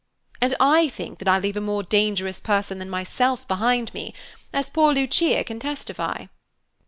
"And I think that I leave a more dangerous person than myself behind me, as poor Lucia can testify."